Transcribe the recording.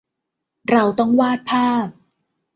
เราต้องวาดภาพ